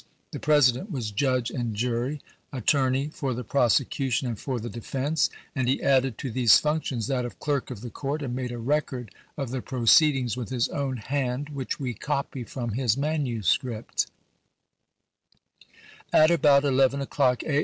The President was judge chap. ix. and jury, attorney for the prosecution and for the 1862. defense, and he added to these functions that of ntlfre, clerk of the court, and made a record of the pro Record." ceedings with his own hand, which we copy from pp. 477, 478. his manuscript : At about eleven o'clock A.